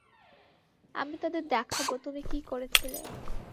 আমি তাদের দেখাবো তুমি কি করেছিলে।